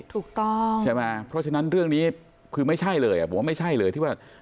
ถูกต้องใช่ไหมเพราะฉะนั้นเรื่องนี้คือไม่ใช่เลยผมว่าไม่ใช่เลยที่ว่า